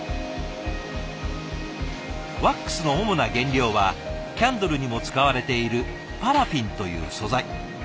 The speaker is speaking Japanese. ワックスの主な原料はキャンドルにも使われているパラフィンという素材。